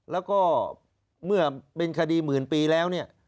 แล้วก็เมื่อเป็นคดีหมื่นปีแล้วเนี่ย